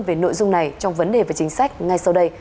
về nội dung này trong vấn đề về chính sách ngay sau đây